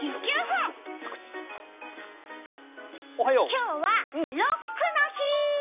今日はロックの日。